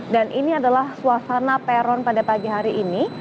dan ini adalah suasana peron pada pagi hari ini